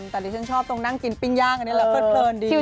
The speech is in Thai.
แต่ดิฉันชอบตรงนั่งกินปิ้งย่างอันนี้แหละเพลินดี